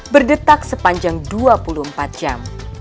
berdetak sepanjang dua puluh empat jam